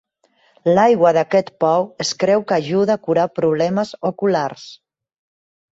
L'aigua d'aquest pou es creu que ajuda a curar problemes oculars.